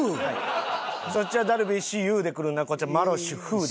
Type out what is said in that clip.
そっちがダルビッシュ有でくるんならこっちはマロッシュ風で。